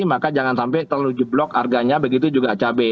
maka jangan sampai terlalu jeblok harganya begitu juga cabai